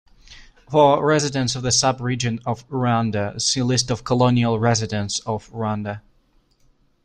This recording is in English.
For residents of the subregion of Ruanda, see List of colonial residents of Rwanda.